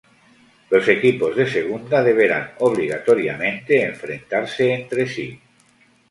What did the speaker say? Los equipos de Segunda deberán obligatoriamente enfrentarse entre sí.